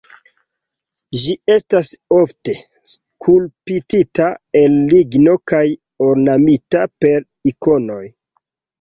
Ĝi estas ofte skulptita el ligno kaj ornamita per ikonoj.